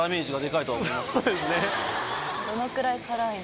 そうですね。